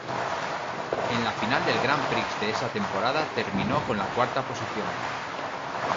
En la final del Grand Prix de esa temporada terminó con la cuarta posición.